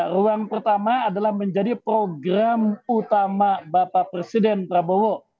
ruang pertama adalah menjadi program utama bapak presiden prabowo